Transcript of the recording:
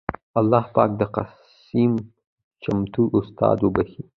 اللهٔ پاک د قسيم چمتو استاد وبښي